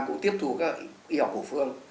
cũng tiếp thu các y học cổ phương